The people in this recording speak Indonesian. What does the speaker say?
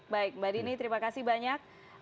baik mbak dini terima kasih banyak